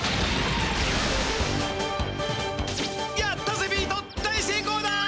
やったぜビート大せいこうだ！